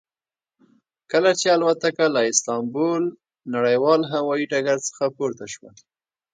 کله چې الوتکه له استانبول نړیوال هوایي ډګر څخه پورته شوه.